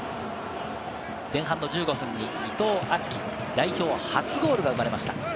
前半１５分に伊藤敦樹、代表初ゴールが生まれました。